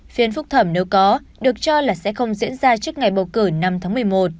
phiên phúc thẩm nếu có được cho là sẽ không diễn ra trước ngày bầu cử năm tháng một mươi một